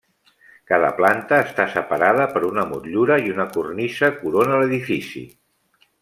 Cada planta està separada per una motllura i una cornisa corona l'edifici.